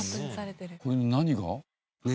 これの何が？